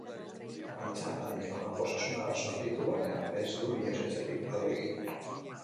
Antza, adinekoak osasun arazoak ditu baina ez du inoiz etxetik alde egin.